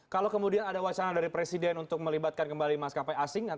kalau kemudian ada wacana dari presiden untuk melibatkan kembali maskapai asing